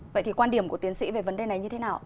vậy thì quan điểm của tiến sĩ về vấn đề này như thế nào